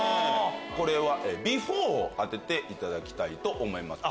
これはビフォーを当てていただきたいと思います。